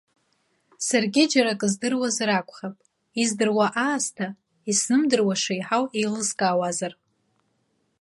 Саргьы џьара акы здыруазар акәхап, издыруа аасҭа исзымдыруа шеиҳау еилыскаауазар.